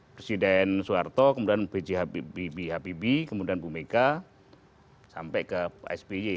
presiden soeharto kemudian bphpb kemudian bumega sampai ke sby